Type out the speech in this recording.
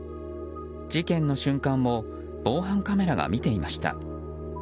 事件の瞬間を防犯カメラが見ていました。